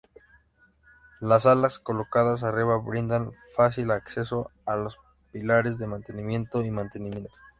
Las alas colocadas arriba brindan fácil acceso a los pilares de mantenimiento y mantenimiento.